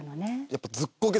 やっぱ。